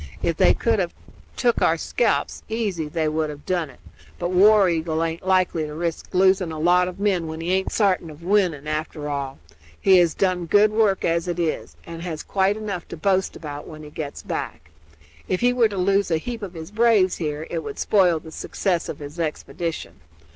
If they could have tuk our scalps easy they would have done it; but War Eagle aint likely to risk losing a lot of men when he aint sartin of winning, after all. He has done good work as it is, and has quite enough to boast about when he gets back. If he were to lose a heap of his braves here it would spoil the success of his expedition.